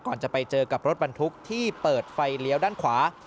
จะไปเจอกับรถบรรทุกที่เปิดไฟเลี้ยวด้านขวา